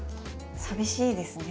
寂しいですね。